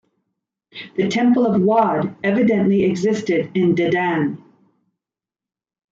A temple of Wadd evidently existed in Dedan.